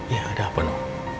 ya ada apa nino